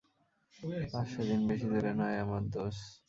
আর সেদিন বেশি দূরে নয় আমার দোস।